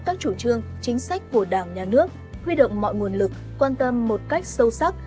các chủ trương chính sách của đảng nhà nước huy động mọi nguồn lực quan tâm một cách sâu sắc